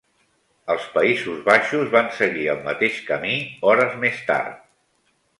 Els Països Baixos van seguir el mateix camí hores més tard.